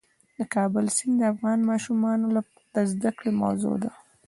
د کابل سیند د افغان ماشومانو د زده کړې موضوع ده.